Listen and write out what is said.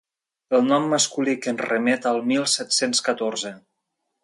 El nom masculí que ens remet al mil set-cents catorze.